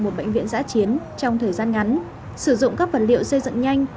một bệnh viện giã chiến trong thời gian ngắn sử dụng các vật liệu xây dựng nhanh